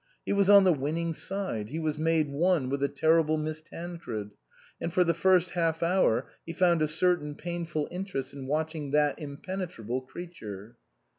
He was on the winning side ; he was made one with the terrible Miss Tancred ; and for the first half hour he found a certain painful interest in watch ing that impenetrable creature.